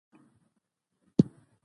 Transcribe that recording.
تاریخ د افغانستان د ځمکې د جوړښت نښه ده.